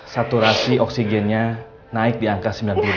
saturasi oksigennya naik di angka sembilan puluh delapan